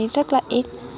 rất là ít